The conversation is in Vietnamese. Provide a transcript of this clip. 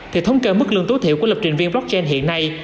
thì thông kê mức lương tố thiểu của lập trình viên blockchain hiện nay